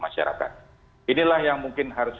masyarakat inilah yang mungkin harus